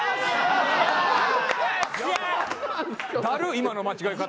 今の間違え方。